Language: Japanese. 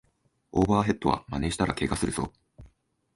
オーバーヘッドはまねしたらケガするぞ